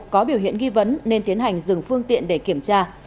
có biểu hiện nghi vấn nên tiến hành dừng phương tiện để kiểm tra